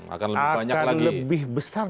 akan lebih besar